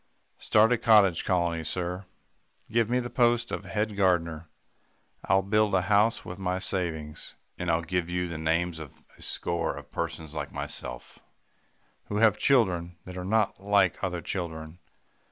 "'Start a cottage colony, sir. Give me the post of head gardener. I'll build a house with my savings, and I'll give you the names of a score of persons like myself who have children that are not like other children.